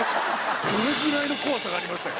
それぐらいの怖さがありましたよ。